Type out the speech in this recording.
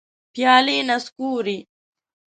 پیالي نسکوري